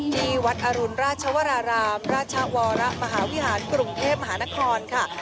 ที่วัดอรุณราชวรารามราชวรมหาวิหารกรุงเทพมหานครค่ะ